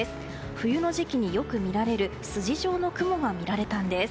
冬の時期によく見られる筋状の雲が見られたんです。